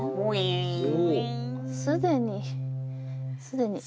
既に。